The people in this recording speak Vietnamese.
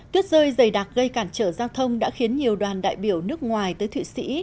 tuyết rơi dày đặc gây cản trở giao thông đã khiến nhiều đoàn đại biểu nước ngoài tới thụy sĩ